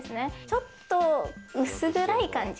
ちょっと薄暗い感じ。